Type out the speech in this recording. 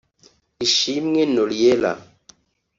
Ishimwe Noriella